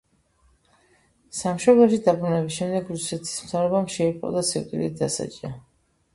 სამშობლოში დაბრუნების შემდეგ რუსეთის მთავრობამ შეიპყრო და სიკვდილით დასაჯა.